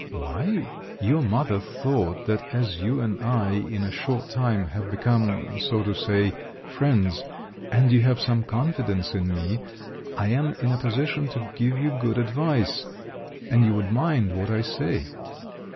"Why? Your mother thought that as you and I, in a short time, have become, so to say, friends, and you have some confidence in me, I am in a position to give you good advice—and you would mind what I say."